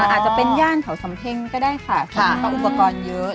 อาจจะเป็นย่านเถาสำเทงก็ได้ค่ะซึ่งอุปกรณ์เยอะ